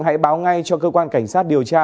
hãy báo ngay cho cơ quan cảnh sát điều tra